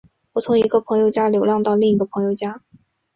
我从一个朋友家流浪到另一个朋友家。